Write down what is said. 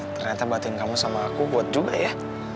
ternyata batin kamu sama aku buat juga ya